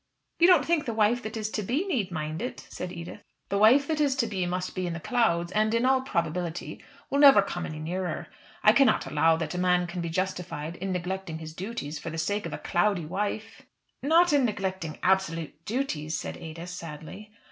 "You don't think the wife that is to be need mind it?" said Edith. "The wife that is to be must be in the clouds, and in all probability, will never come any nearer. I cannot allow that a man can be justified in neglecting his duties for the sake of a cloudy wife." "Not in neglecting absolute duties," said Ada, sadly.